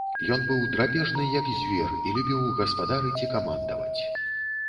Ён быў драпежны, як звер, і любіў гаспадарыць і камандаваць.